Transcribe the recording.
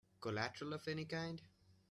Collateral of any kind?